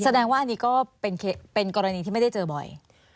แสดงว่าอันนี้ก็เป็นกรณีที่ไม่ได้เจอบ่อย